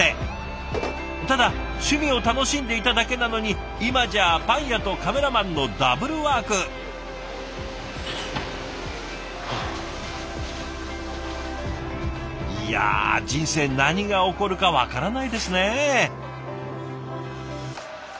ただ趣味を楽しんでいただけなのに今じゃパン屋とカメラマンのダブルワーク。いや人生何が起こるか分からないですね！